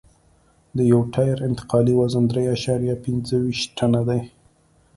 د یو ټیر انتقالي وزن درې اعشاریه پنځه ویشت ټنه دی